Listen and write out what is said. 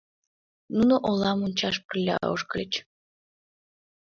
Нуно олам ончаш пырля ошкыльыч.